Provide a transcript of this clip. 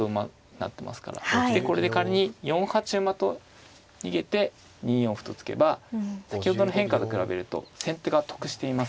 そしてこれで仮に４八馬と逃げて２四歩と突けば先ほどの変化と比べると先手が得しています。